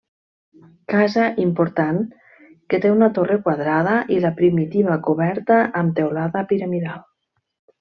Casa important que té una torre quadrada i la primitiva coberta amb teulada piramidal.